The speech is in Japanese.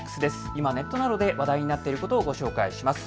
今ネットなどで話題になっていることをご紹介します。